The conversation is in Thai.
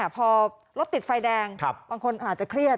พอรถติดไฟแดงบางคนอาจจะเครียด